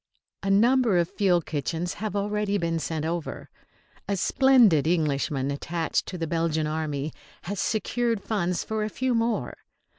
A number of field kitchens have already been sent over. A splendid Englishman attached to the Belgian Army has secured funds for a few more.